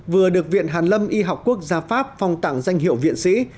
vừa được viện hàn lâm y học quốc gia pháp phong tặng danh hiệu viện sĩ